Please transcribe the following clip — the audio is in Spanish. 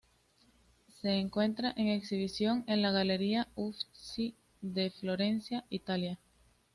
Se encuentra en exhibición en la Galería Uffizi en Florencia, Italia.